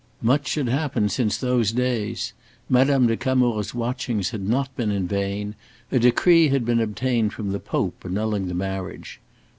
Much had happened since those days. Madame de Camours' watchings had not been in vain, a decree had been obtained from the Pope annulling the marriage.